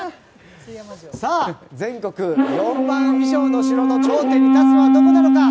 さあ、全国４万以上の城の頂点に立つのはどこなのか？